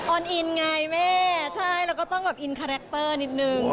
อนอินไงแม่ใช่แล้วก็ต้องแบบอินคาแรคเตอร์นิดนึง